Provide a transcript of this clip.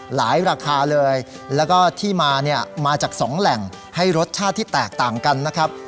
ราคาเลยแล้วก็ที่มาเนี่ยมาจากสองแหล่งให้รสชาติที่แตกต่างกันนะครับ